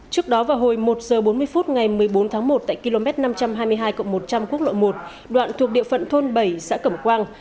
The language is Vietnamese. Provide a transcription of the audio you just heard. trước đó vào hồi một h bốn mươi phút ngày một mươi bốn tháng một tại km năm trăm hai mươi hai một trăm linh quốc lộ một đoạn thuộc địa phận thôn bảy xã cẩm quang